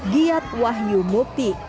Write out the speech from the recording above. giat wahyu mukti